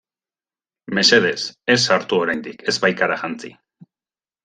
Mesedez, ez sartu oraindik ez baikara jantzi!